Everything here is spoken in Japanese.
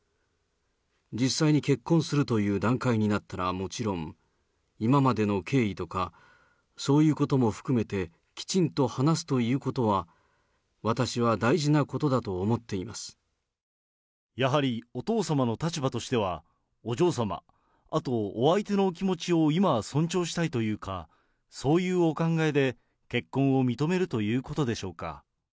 実際に結婚するという段階になったらもちろん、今までの経緯とか、そういうことも含めて、きちんと話すということは、やはり、お父さまの立場としては、お嬢さま、あとお相手のお気持ちを今は尊重したいというか、そういうお考えで結婚を認めるということでしょうか？